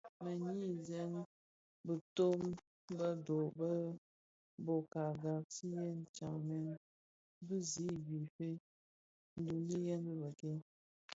Me nyisen biton bedho bë bōka ghaksiya stamen bi zi I Guife, nduduyèn dhi bëk-ke.